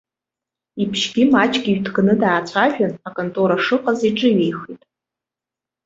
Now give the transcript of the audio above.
Ибжьгьы маҷк иҩҭганы даацәажәан, аконтора шыҟаз иҿыҩеихеит.